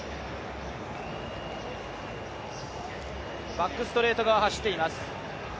バックストレート側を走っています。